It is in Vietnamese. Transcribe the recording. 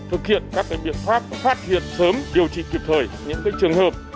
thực hiện các biện pháp phát hiện sớm điều trị kịp thời những trường hợp